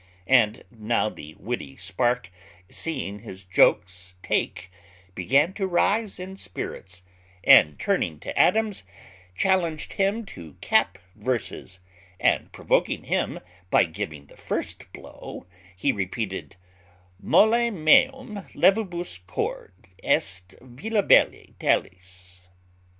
And now the witty spark, seeing his jokes take, began to rise in spirits; and, turning to Adams, challenged him to cap verses, and, provoking him by giving the first blow, he repeated _"Molle meum levibus cord est vilebile telis."